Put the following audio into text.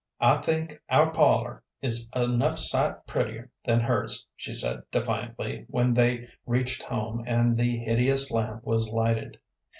"I think our parlor is enough sight prettier than hers," she said, defiantly, when they reached home and the hideous lamp was lighted.